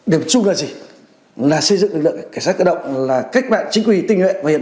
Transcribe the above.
điểm chung là gì là xây dựng lực lượng cảnh sát cơ động là cách mạng chính quy tinh nguyện và hiện